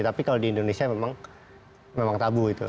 tapi kalau di indonesia memang tabu itu